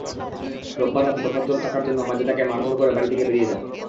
রোববার রাতে তোফাজ্জল টাকার জন্য মাজেদাকে মারধর করে বাড়ি থেকে বেরিয়ে যান।